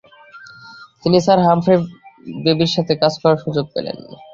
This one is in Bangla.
তিনি স্যার হামফ্রে ডেভির সাথে কাজ করার সুযোগ পেলেন।